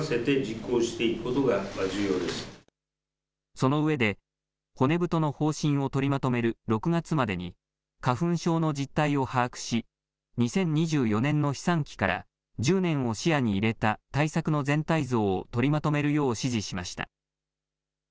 その上で骨太の方針を取りまとめる６月までに花粉症の実態を把握し２０２４年の飛散期から１０年を視野に入れた対策の全体像を取りまとめるよう指示しました。